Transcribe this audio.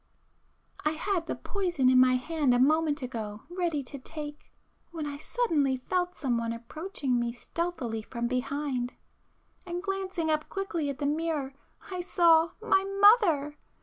····· I had the poison in my hand a moment ago, ready to take, when I suddenly felt someone approaching me stealthily from behind, and glancing up quickly at the mirror I saw ... my mother!